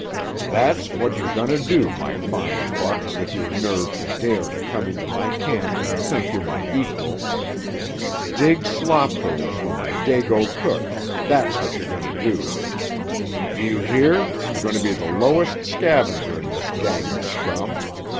"That's what you're going to do, my fine buck, with your nerve to dare to come into my camp and think you're my equal. Dig slop holes for my Dago cook; that's what you're going to do! "Do you hear? You're going to be the lowest scavenger in this gang of scum.